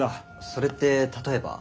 それって例えば？